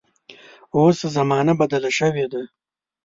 اوس زمانه بدله شوې ده.